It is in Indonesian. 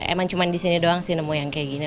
emang cuman di sini doang sih nemu yang kayak gini